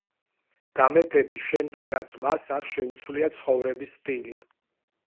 გამეფების შემდეგაც მას არ შეუცვლია ცხოვრების სტილი.